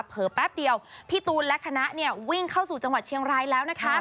แป๊บเดียวพี่ตูนและคณะเนี่ยวิ่งเข้าสู่จังหวัดเชียงรายแล้วนะคะ